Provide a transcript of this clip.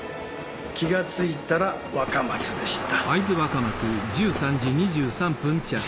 気がついたら若松でした。